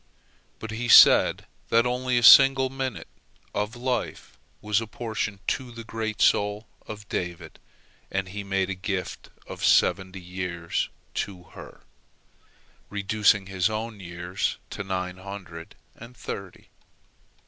But he saw that only a single minute of life was apportioned to the great soul of David, and he made a gift of seventy years to her, reducing his own years to nine hundred and thirty.'